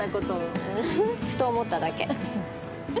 ううん、ふと思っただけ。